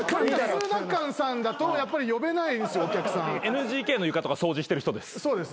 ＮＧＫの床とか掃除してる人です。